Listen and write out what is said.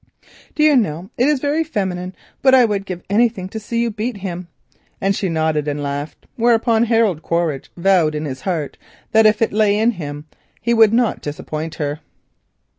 "Do you know, it is very feminine, but I would give anything to see you beat him?" and she nodded and laughed, whereupon Harold Quaritch vowed in his heart that if it in him lay he would not disappoint her.